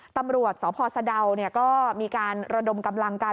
ตำรวจสอพสเบอร์ซะเดาเนี่ยก็มีการรดมกำลังกัน